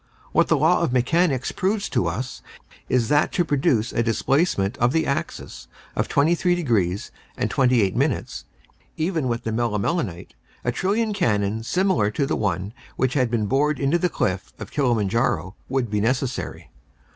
What the law of mechanics proves to us is that to produce a displacement of the axis of 23 degrees and 28 minutes, even with the melimelonite, a trillion cannons similar to the one which had been bored into the cliff of Kilimanjaro would be necessary.